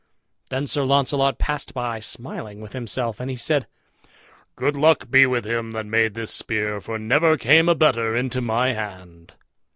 Then Sir Launcelot passed by smiling with himself, and he said, "Good luck be with him that made this spear, for never came a better into my hand."